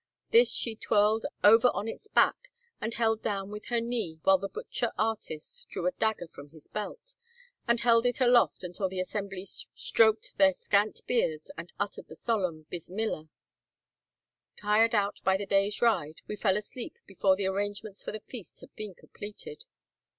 This she twirled over on its back, and held down with her knee while the butcher artist drew a dagger from his belt, and held it aloft until the assembly stroked their scant beards, and uttered the solemn bismillah. Tired out by the day's ride, we fell asleep before the arrangements for the feast had been completed.